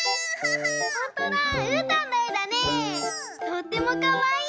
とってもかわいい！